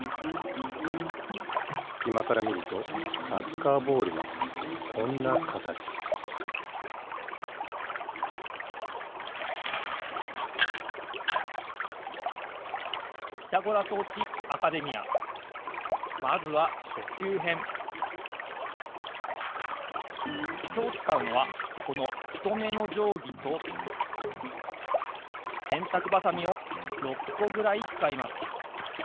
すきまからみるとサッカーボールはこんなかたちまずはきょうつかうのはこのふとめのじょうぎとせんたくばさみを６こぐらいつかいます。